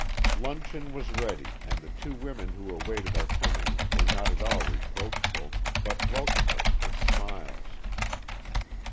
Luncheon was ready and the two women who awaited our coming were not at all reproachful, but welcomed us with smiles.